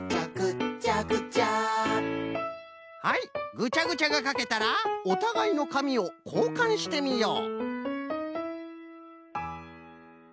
ぐちゃぐちゃがかけたらおたがいのかみをこうかんしてみよう。